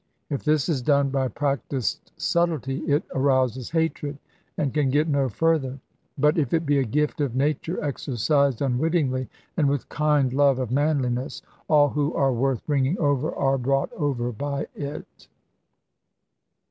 If this is done by practised subtlety, it arouses hatred, and can get no further. But if it be a gift of nature exercised unwittingly, and with kind love of manliness, all who are worth bringing over are brought over by it.